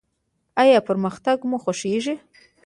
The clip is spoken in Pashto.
ایا پرمختګ مو خوښیږي؟